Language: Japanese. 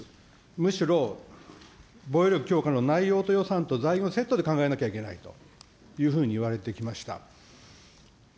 むしろ防衛力強化の内容と予算と財源をセットで考えないといけないと言われてきました。